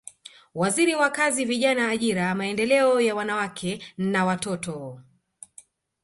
Waziri wa Kazi Vijana Ajira Maendeleo ya Wanawake na Watoto